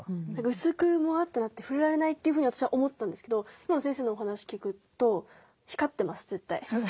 薄くもわってなって触れられないというふうに私は思ったんですけど今の先生のお話聞くと